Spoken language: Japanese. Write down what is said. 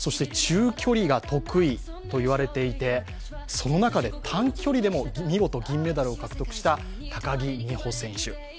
中距離が得意と言われていて、その中でも短距離でも見事、銀メダルを獲得した高木美帆選手。